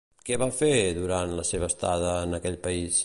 Què va fer durant la seva estada en aquell país?